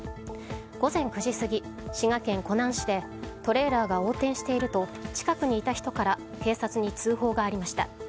午前９時過ぎ滋賀県湖南市でトレーラーが横転していると近くにいた人から警察に通報がありました。